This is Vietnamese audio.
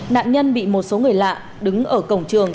nạn nhân bị một số người lạ đứng ở cổng trường